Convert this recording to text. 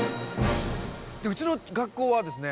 うちの学校はですね